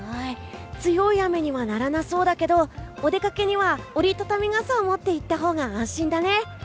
強い雨にはならなそうだけどお出かけには折り畳み傘を持っていったほうが安心だね。